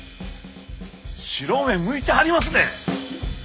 白目むいてはりますで！